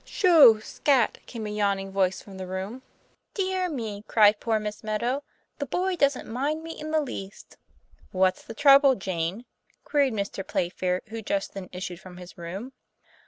''Sho! scat!" came a yawning voice from the room. 12 TOM PLA YFAIR. 'Dear me!" cried poor Miss Meadow, "the boy doesn't mind me in the least." "What's the trouble, Jane?" queried Mr. Playfair, who just then issued from his room.